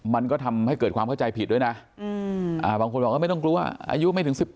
มันก็ทำให้เกิดความเข้าใจผิดด้วยนะอายุไม่ถึง๑๘